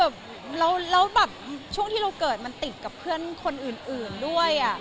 คือเรากับช่วงที่เกิดมันติดกับเพื่อนคนอื่นด้วย